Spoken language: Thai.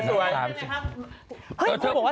แจ่มหนูสวย